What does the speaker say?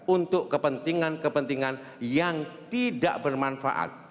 untuk kepentingan kepentingan yang tidak bermanfaat